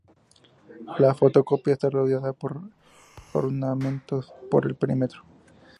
La fotocopia esta rodeada por ornamentos por el perímetro.